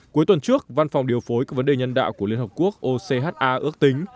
cuối tuần trước văn phòng điều phối các vấn đề nhân đạo của liên hợp quốc ocha ước tính